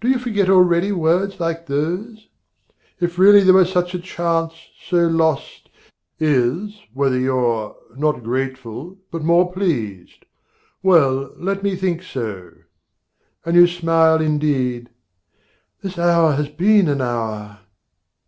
Do you forget already words like those?) If really there was such a chance, so lost, Is, whether you're not grateful but more pleased. Well, let me think so. And you smile indeed! This hour has been an hour!